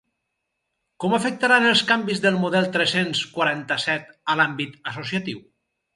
Com afectaran els canvis del model tres-cents quaranta-set a l'àmbit associatiu?